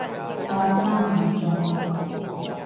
怪返民眾